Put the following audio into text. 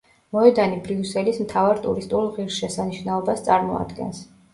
მოედანი ბრიუსელის მთავარ ტურისტულ ღირსშესანიშნაობას წარმოადგენს.